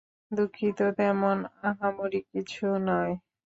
দুঃখিত, তেমন আহামরি কিছু নয়।